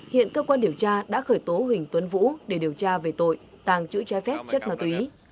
hiện cơ quan điều tra đã khởi tố huỳnh tuấn vũ để điều tra về tội tàng trữ trái phép chất ma túy